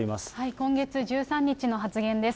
今月１３日の発言です。